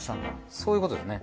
そういうことですね。